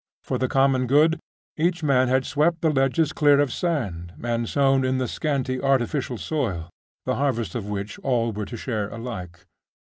For the common good, each man had swept the ledges clear of sand, and sown in the scanty artificial soil, the harvest of which all were to share alike.